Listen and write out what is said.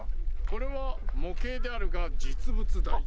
これは模型であるが実物大じゃ。